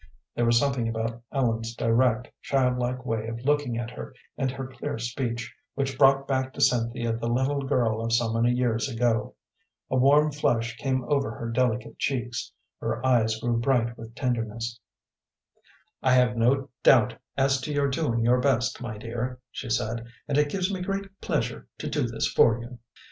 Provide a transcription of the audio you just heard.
There was something about Ellen's direct, childlike way of looking at her, and her clear speech, which brought back to Cynthia the little girl of so many years ago. A warm flush came over her delicate cheeks; her eyes grew bright with tenderness. [Illustration: I'll study hard and try to do you credit] "I have no doubt as to your doing your best, my dear," she said, "and it gives me great pleasure to do this for you."